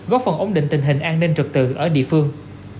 góp phần ổn định tình hình an ninh trực tự ở địa phương